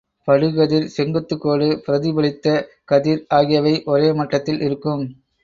படுகதிர், செங்குத்துக்கோடு, பிரதிபலித்த கதிர் ஆகியவை ஒரே மட்டத்தில் இருக்கும்.